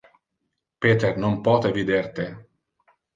Peter non pote vider te.